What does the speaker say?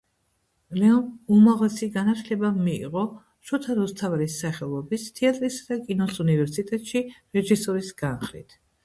ლეო უმაღლესი განათლება მიიღო შოთა რუსთაველის სახელობის თეატრისა და კინოს უნივერსიტეტში რეჟისურის განხრით.